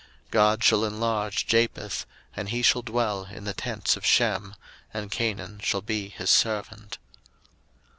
01:009:027 God shall enlarge Japheth, and he shall dwell in the tents of Shem; and Canaan shall be his servant.